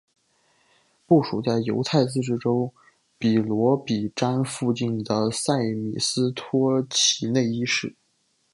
部署在犹太自治州比罗比詹附近的塞米斯托齐内伊市。